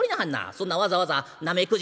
そんなわざわざなめくじ立てて」。